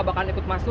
biar dia tau